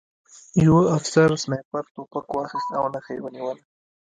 یوه افسر سنایپر توپک واخیست او نښه یې ونیوله